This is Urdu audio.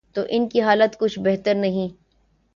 تو ان کی حالت کچھ بہتر نہیں۔